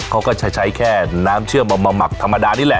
เขาก็จะใช้แค่น้ำเชื่อมมาหมักธรรมดานี่แหละ